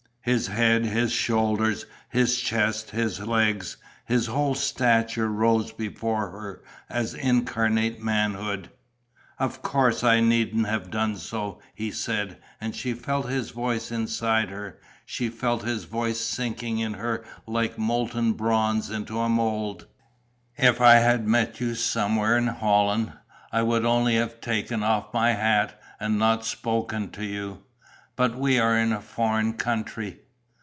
His head, his shoulders, his chest, his legs, his whole stature rose before her as incarnate manhood. "Of course I needn't have done so," he said; and she felt his voice inside her: she felt his voice sinking in her like molten bronze into a mould. "If I had met you somewhere in Holland, I would only have taken off my hat and not spoken to you. But we are in a foreign country...."